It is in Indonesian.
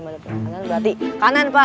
mereka kanan berarti kanan pak